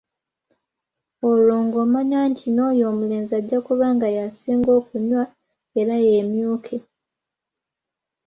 Olwo ng'omanya nti n'oyo omulenzi ajja kuba nga yasinga okunywa era yeemyuke.